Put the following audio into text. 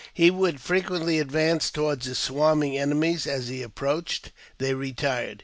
He would frequently advance towards his swarming enemies ; as he approached, they retired.